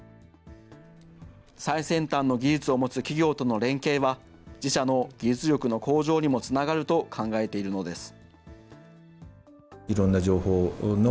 最先端の技術を持つ企業との連携は、自社の技術力の向上にもつながると考えているのです。